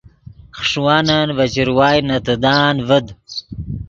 خݰوانن ڤے چروائے نے تیدان ڤد